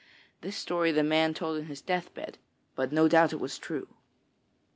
This story the man told on his death bed, so no doubt it was true.'